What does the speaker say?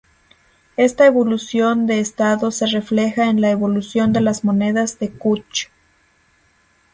Esta evolución de estado se refleja en la evolución de las monedas de Kutch.